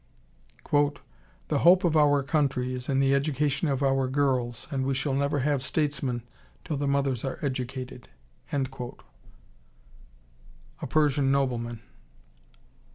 "The hope of our country is in the education of our girls, and we shall never have statesmen till the mothers are educated." A Persian Nobleman.